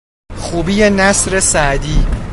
خوبی نثر سعدی